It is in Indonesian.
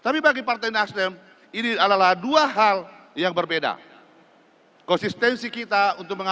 wa salamun ala al mursalin